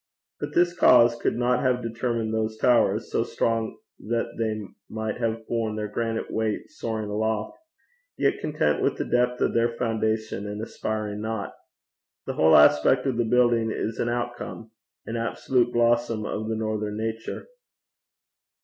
But this cause could not have determined those towers, so strong that they might have borne their granite weight soaring aloft, yet content with the depth of their foundation, and aspiring not. The whole aspect of the building is an outcome, an absolute blossom of the northern nature.